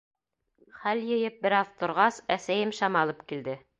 Хәл йыйып бер аҙ торғас, әсәйем шәм алып килде.